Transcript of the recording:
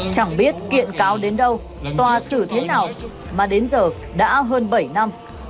chẳng biết kiện cáo đến đâu tòa xử thế nào mà đến giờ đã hơn bảy năm